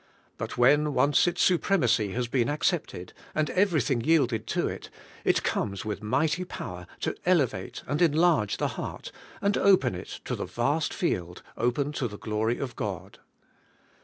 But when once its supremacy has been accepted, and everything yielded to it, it comes with mighty power to elevate and enlarge the heart, and open it to the vast field open to the glory of God.